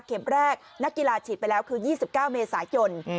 แรกนักกีฬาฉีดไปแล้วคือ๒๙เมษายน